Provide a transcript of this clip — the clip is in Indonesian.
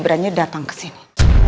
sebaiknya datang kesini